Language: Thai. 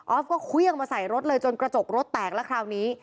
ออฟก็ควี่ละมาใส่รถจนกระจกรถแตกและคราวนี้